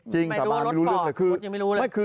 จริงดิไม่รู้อะรถฝรก